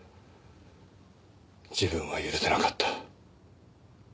自分は許せなかった。